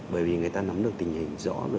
bởi vì người ta nắm được tình hình rõ